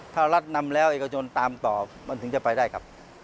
ถ้ารัฐนำแล้วเอกชนตามต่อมันถึงจะไปได้ครับ